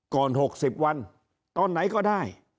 ก่อนหกสิบวันตอนไหนก็ได้